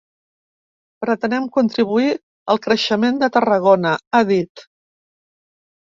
“Pretenem contribuir al creixement de Tarragona”, ha dit.